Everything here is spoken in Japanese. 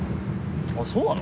あっそうなの？